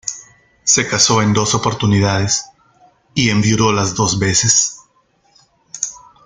Se casó en dos oportunidades, y enviudó las dos veces.